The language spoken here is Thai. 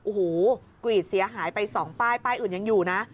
โอ้โหกรีดเสียหายไป๒ป้ายป้ายอื่นยังอยู่นะ